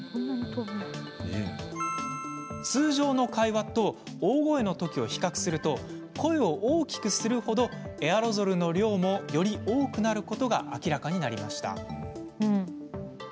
通常の会話と大声のときを比較すると、声を大きくするほどエアロゾルの量も、より多くなることを明らかにしました。